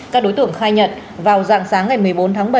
các đối tượng khai nhận vào dạng sáng ngày một mươi bốn tháng bảy